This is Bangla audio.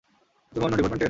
তুমি অন্য ডিপার্টমেন্টের?